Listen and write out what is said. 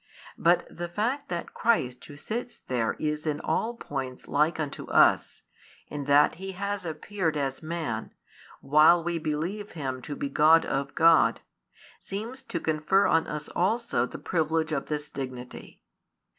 But the fact that Christ Who sits there is in all points like unto us, in that He has appeared as Man, while we believe Him to be God of God, seems to confer on us also the privilege of this dignity.